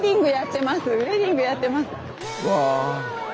うわ！